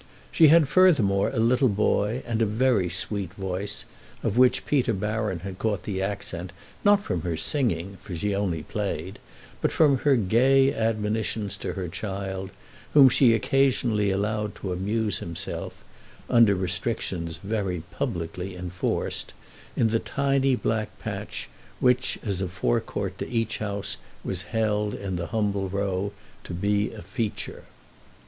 She had furthermore a little boy and a very sweet voice, of which Peter Baron had caught the accent, not from her singing (for she only played), but from her gay admonitions to her child, whom she occasionally allowed to amuse himself—under restrictions very publicly enforced—in the tiny black patch which, as a forecourt to each house, was held, in the humble row, to be a feature.